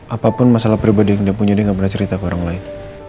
apapun masalah pribadi yang dia punya dia gak pernah cerita ke orang lain